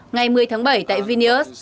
ngày một mươi tháng bảy tại vinius